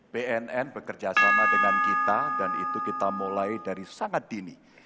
bnn bekerjasama dengan kita dan itu kita mulai dari sangat dini